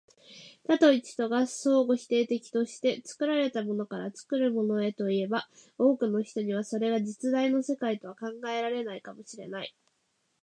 多と一とが相互否定的として、作られたものから作るものへといえば、多くの人にはそれが実在の世界とは考えられないかも知れない。